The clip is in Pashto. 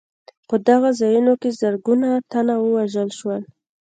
په دغو ځایونو کې زرګونه تنه ووژل شول.